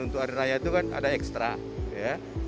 untuk hari raya itu kan ada ekstra ya